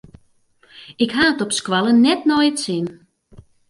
Ik ha it op skoalle net nei it sin.